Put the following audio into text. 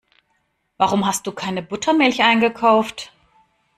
Warum hast du keine Buttermilch eingekauft?